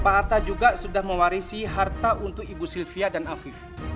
pak arta juga sudah mewarisi harta untuk ibu sylvia dan afif